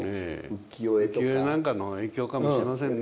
浮世絵なんかの影響かもしれませんね。